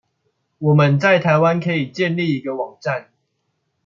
我們在台灣可以建立一個網站